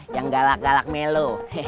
yang galak galak melo